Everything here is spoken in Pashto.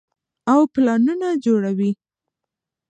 او پلانونه جوړوي -